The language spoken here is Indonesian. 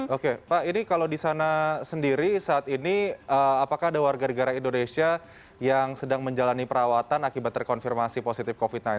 oke pak ini kalau di sana sendiri saat ini apakah ada warga negara indonesia yang sedang menjalani perawatan akibat terkonfirmasi positif covid sembilan belas